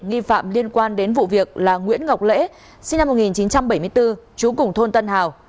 nghi phạm liên quan đến vụ việc là nguyễn ngọc lễ sinh năm một nghìn chín trăm bảy mươi bốn chú cùng thôn tân hào